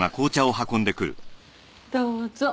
どうぞ。